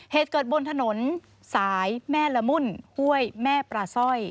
เหตุเกิดบนถนนสายแม่ละมุ่นห้วยแม่ปลาสร้อย